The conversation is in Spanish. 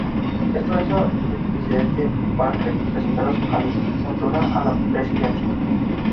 Esto hizo que el vicepresidente Barkley presentara su candidatura a la presidencia.